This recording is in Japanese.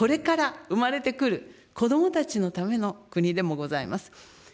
そしてこれから産まれてくる子どもたちのための国でもございます。